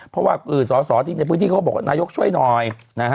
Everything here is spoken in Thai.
เพราะว่าสสที่ในพฤติน้องเขาก็บอกนายกช่วยหน่อย